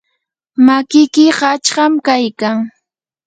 makiki qachqam kaykan.